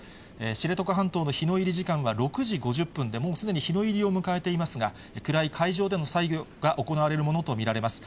知床半島の日の入り時間は６時５０分で、もうすでに日の入りを迎えていますが、暗い海上での作業が行われるものと見られます。